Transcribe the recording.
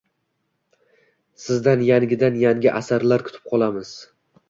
Sizdan yangidan-yangi asarlar kutib qolamiz.